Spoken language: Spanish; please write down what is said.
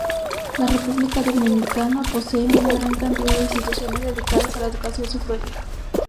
La República Dominicana posee una gran cantidad de instituciones dedicadas a la Educación Superior.